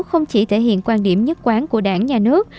không chỉ thể hiện quan điểm nhất quán của đảng nhà nước